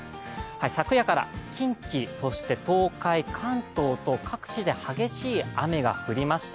昨夜から近畿、そして東海、関東と各地で激しい雨が降りました。